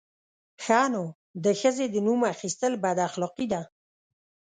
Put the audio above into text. _ښه نو، د ښځې د نوم اخيستل بد اخلاقي ده!